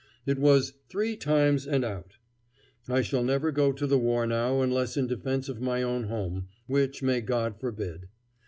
It was "three times and out." I shall never go to the war now unless in defence of my own home, which may God forbid.